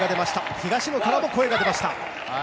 東野からも声が出ました。